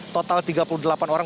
total tiga puluh delapan orang